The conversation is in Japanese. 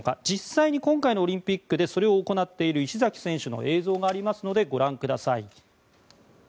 実際に今回のオリンピックでそれを行っている石崎選手の映像がありますのでご覧ください。